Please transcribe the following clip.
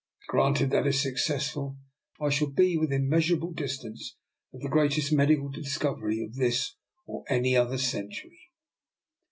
Granted that is successful, I shall be within measurable distance of the greatest medical discovery of this or any other cen tury."